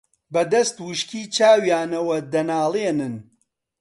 بەدەست وشکی چاویانەوە دەناڵێنن